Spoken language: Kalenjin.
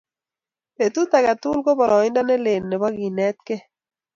Petut age tugul ko boroindo ne lel nebo kenetkei